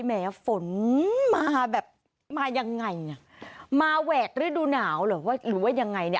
แหมฝนมาแบบมายังไงมาแหวกฤดูหนาวหรือว่ายังไง